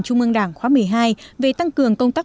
trung ương đảng khóa một mươi hai về tăng cường công tác